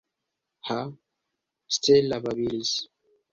Ha, Stella babilis?